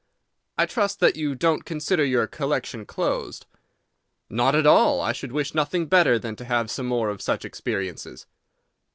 "I trust that you don't consider your collection closed." "Not at all. I should wish nothing better than to have some more of such experiences."